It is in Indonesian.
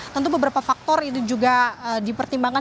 tentu beberapa faktor itu juga dipertimbangkan